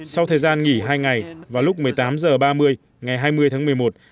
sau thời gian nghỉ hai ngày vào lúc một mươi tám h ba mươi ngày hai mươi tháng một mươi một